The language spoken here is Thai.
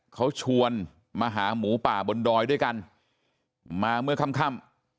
เขาชวนมาหาหมูป่าบนดอยด้วยกันมาเมื่อค่ำ